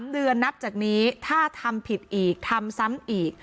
๓เดือนนับจากนี้ถ้าทำผิดอีกทำซ้ำอีก